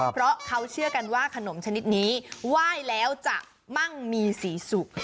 เพราะเขาเชื่อกันว่าขนมชนิดนี้ไหว้แล้วจะมั่งมีสีสุก